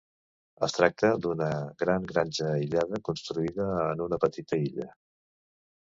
Es tracta d'una gran granja aïllada, construïda en una petita illa.